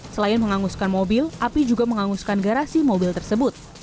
selain menganguskan mobil api juga menganguskan garasi mobil tersebut